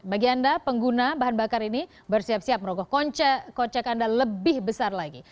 bagi anda pengguna bahan bakar ini bersiap siap merogoh kocek anda lebih besar lagi